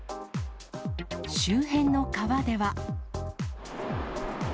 周辺の川では。